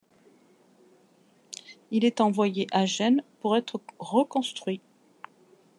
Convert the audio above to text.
Il est envoyé à Gênes pour être reconstruit.